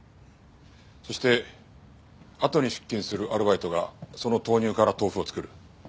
そしてあとに出勤するアルバイトがその豆乳から豆腐を作る。